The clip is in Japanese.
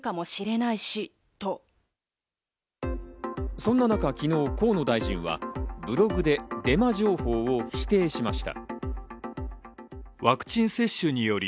そんな中、昨日、河野大臣はブログでデマ情報を否定しました。